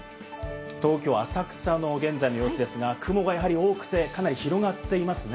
東京・浅草の現在の様子ですが、雲がやはり多くて、かなり広がっていますね。